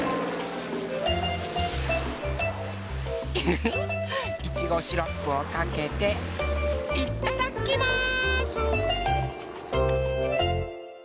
フフフいちごシロップをかけていただきます！